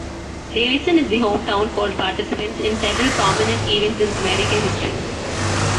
Davison is the hometown for participants in several prominent events in American history.